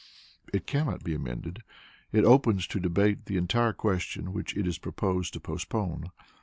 It cannot be amended; it opens to debate the entire question which it is proposed to postpone.